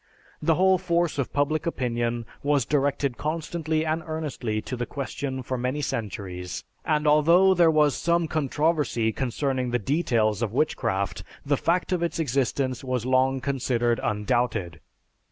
The whole force of public opinion was directed constantly and earnestly to the question for many centuries, and although there was some controversy concerning the details of witchcraft, the fact of its existence was long considered undoubted.